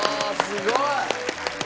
すごい。